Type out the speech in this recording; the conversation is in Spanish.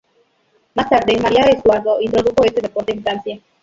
Más tarde María Estuardo introdujo este deporte en Francia.